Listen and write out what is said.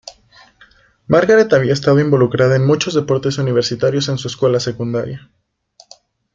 Margaret había estado involucrada en muchos deportes universitarios en su escuela secundaria.